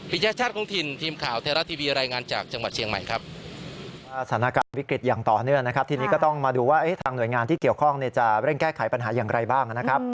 พิจารณ์ชาติของถิ่นทีมข่าวเทราทีวีรายงานจากจังหวัดเชียงใหม่ครับ